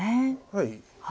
はい。